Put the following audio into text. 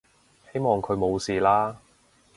希望佢冇事啦